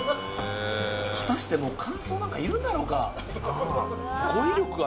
果たしてもう感想なんかいるんだろうかなあ